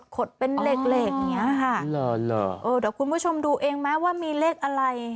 ดเป็นเหล็กเหล็กอย่างเงี้ยค่ะเออเดี๋ยวคุณผู้ชมดูเองไหมว่ามีเลขอะไร